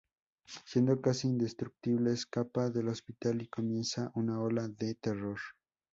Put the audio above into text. Siendo casi indestructible, escapa del hospital y comienza una ola de terror.